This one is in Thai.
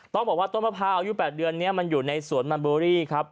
ต้องบอกว่าต้นมะพร้าวอายุ๘เดือนนี้มันอยู่ในสวนมันเบอรี่ครับ